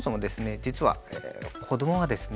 実は子どもはですね